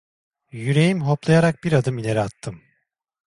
Yüreğim hoplayarak bir adım ileri attım.